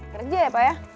kerja ya pak ya